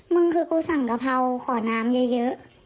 มึงคือกูสั่งกะพร่าวขอน้ำเยอะเยอะ